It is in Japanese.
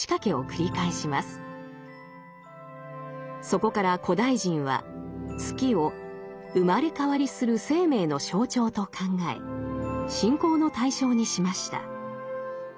そこから古代人は月を生まれ変わりする生命の象徴と考え信仰の対象にしました。